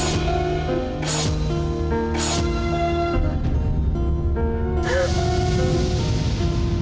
harus pulang sekarang pak